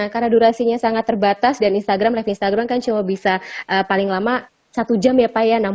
karena durasinya sangat terbatas dan instagram live instagram kan cuma bisa paling lama satu jam ya pak ya